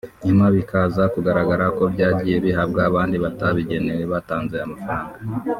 nyuma bikaza kugaragara ko byagiye bihabwa abandi batabigenewe batanze amafaranga